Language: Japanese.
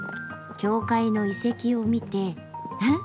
教会の遺跡を見てははっ